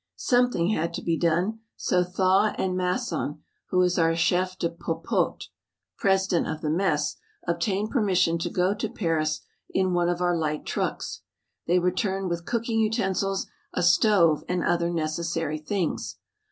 Something had to be done, so Thaw and Masson, who is our Chef de Popote (President of the Mess) obtained permission to go to Paris in one of our light trucks. They returned with cooking utensils, a stove, and other necessary things.